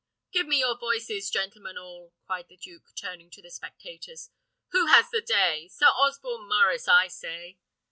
"Give me your voices, gentlemen all!" cried the duke, turning to the spectators. "Who has the day? Sir Osborne Maurice, I say."